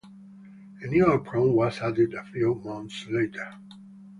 A new apron was added a few months later.